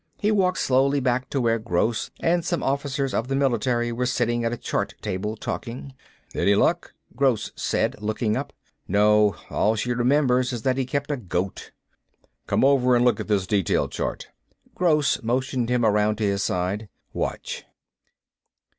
He walked slowly back to where Gross and some officers of the Military were sitting at a chart table, talking. "Any luck?" Gross said, looking up. "No. All she remembers is that he kept a goat." "Come over and look at this detail chart." Gross motioned him around to his side. "Watch!"